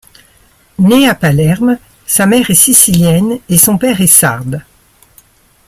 Né à Palerme, sa mère est sicilienne et son père est sarde.